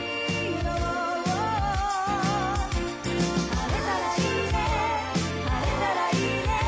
「晴れたらいいね晴れたらいいね」